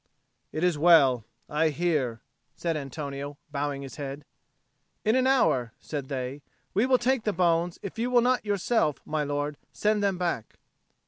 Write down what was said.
"It is well; I hear," said Antonio, bowing his head. "In an hour," said they, "we will take the bones, if you will not yourself, my lord, send them back."